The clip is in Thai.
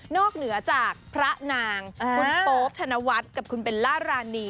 เหนือจากพระนางคุณโป๊ปธนวัฒน์กับคุณเบลล่ารานี